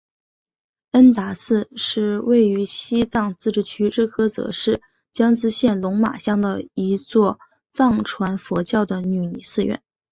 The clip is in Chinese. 恩达寺是位于西藏自治区日喀则市江孜县龙马乡的一座藏传佛教的女尼寺院。